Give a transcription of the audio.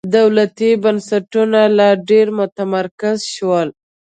دولتي بنسټونه لا ډېر متمرکز شول.